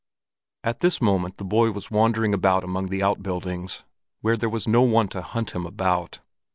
At this moment the boy was wandering about among the outbuildings, where there was no one to hunt him about.